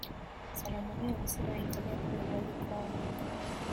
Salamone abizena Italiako hegoaldekoa omen da.